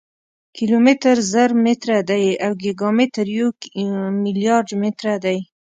کیلومتر زر متره دی او ګیګا متر یو ملیارډ متره دی.